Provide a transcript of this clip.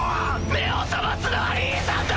目を覚ますのは兄さんだ！